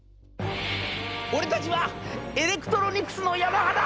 『俺たちはエレクトロニクスのヤマハだ！